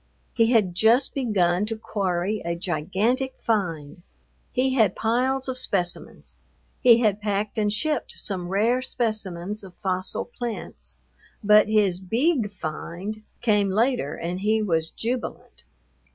He had just begun to quarry a gigantic find; he had piles of specimens; he had packed and shipped some rare specimens of fossil plants, but his "beeg find" came later and he was jubilant.